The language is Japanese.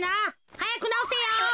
はやくなおせよ。